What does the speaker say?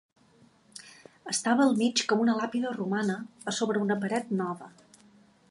Estava al mig com una làpida romana a sobre una paret nova